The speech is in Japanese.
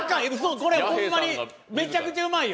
これ、ほんまにめちゃくちゃうまいよ。